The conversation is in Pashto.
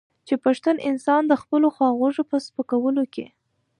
چې پښتون انسان د خپلو خواخوږو په سپکولو کې.